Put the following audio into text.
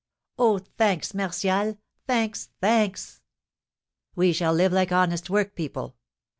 "Oh, thanks, Martial, thanks, thanks!" "We shall live like honest workpeople.